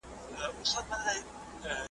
دا ماخذونه تر هغو نورو ډېر باوري دي.